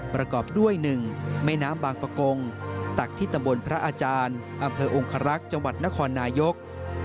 ประกอบด้วย๑แม่น้ำบางประกงตักที่ตำบลพระอาจารย์อำเภอองครักษ์จังหวัดนครนายก